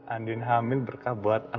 andien hamil berkah buatan